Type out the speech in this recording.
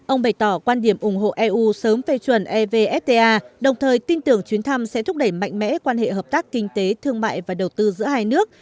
ông bày tỏ quan điểm ủng hộ eu sớm phê chuẩn evfta đồng thời tin tưởng chuyến thăm sẽ thúc đẩy mạnh mẽ quan hệ hợp tác kinh tế thương mại và đầu tư giữa hai nước